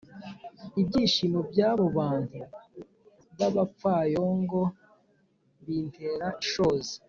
ibyishimo by’abo bantu b’abapfayongo bintera ishozi